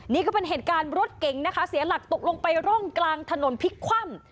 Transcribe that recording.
นี่ก็เป็นเหตุการณ์รถเก๋งนะคะเสียหลักตกลงไปร่องกลางถนนพลิกคว่ำ